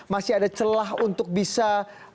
masih ada celah untuk bisa